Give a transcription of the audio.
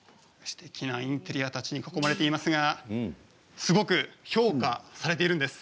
すてきなインテリアたちに囲まれていますがすごく評価されているんです。